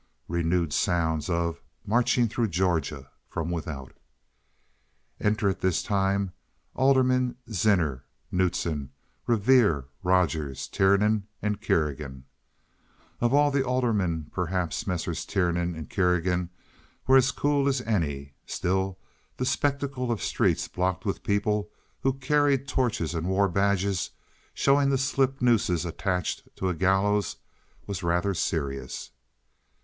Renewed sounds of "Marching Through Georgia" from without. Enter at this time Aldermen Ziner, Knudson, Revere, Rogers, Tiernan, and Kerrigan. Of all the aldermen perhaps Messrs. Tiernan and Kerrigan were as cool as any. Still the spectacle of streets blocked with people who carried torches and wore badges showing slip nooses attached to a gallows was rather serious.